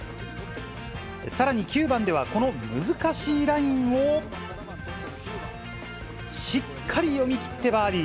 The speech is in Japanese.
さらに９番ではこの難しいラインをしっかり読み切ってバーディー。